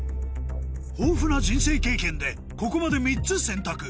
豊富な人生経験でここまで３つ選択